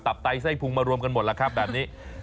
ไตไส้พุงมารวมกันหมดแล้วครับแบบนี้